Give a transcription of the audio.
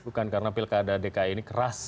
bukan karena pilkada dki ini keras